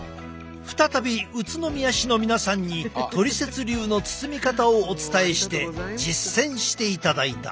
再び宇都宮市の皆さんにトリセツ流の包み方をお伝えして実践していただいた。